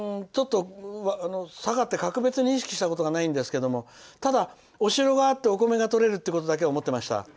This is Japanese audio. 佐賀って格別に意識したことはないんですけどただ、お城があってお米がとれるということだけは思っていました。